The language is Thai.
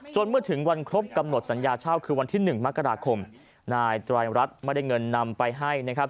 เมื่อถึงวันครบกำหนดสัญญาเช่าคือวันที่๑มกราคมนายไตรรัฐไม่ได้เงินนำไปให้นะครับ